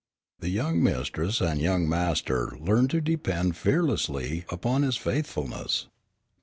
The young mistress and young master learned to depend fearlessly upon his faithfulness.